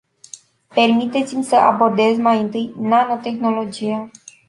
Permiteți-mi să abordez mai întâi nanotehnologia.